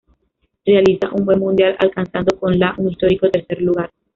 Realiza un buen Mundial, alcanzando con la un histórico tercer lugar.